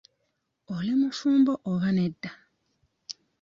Oli mufumbo oba nedda?